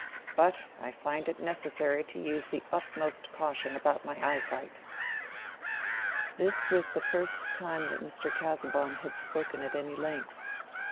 But I find it necessary to use the utmost caution about my eyesight." This was the first time that Mr. Casaubon had spoken at any length.